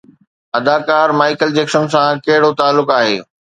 اداڪار Michael Jackson سان ڪهڙو تعلق آهي؟